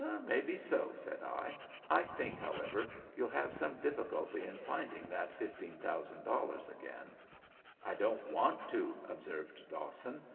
"Maybe so," said I. "I think, however, you'll have some difficulty in finding that $15,000 again." "I don't want to," observed Dawson.